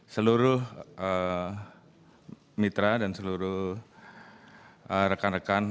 seluruh mitra dan seluruh rekan rekan